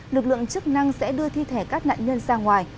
lực lượng chức năng sẽ đưa thi thể các nạn nhân ra ngoài